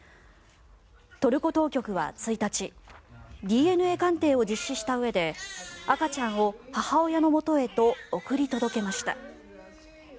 トルコ当局は１日ＤＮＡ鑑定を実施したうえで赤ちゃんを母親のもとへと送り届けました。